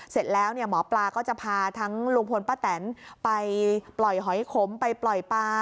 เสร็จแล้วเนี่ยหมอปลาก็จะพาทั้งลุงพลป้าแตนไปปล่อยหอยขมไปปล่อยปลา